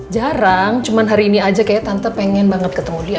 jarang cuma hari ini aja kayaknya tante pengen banget ketemu dia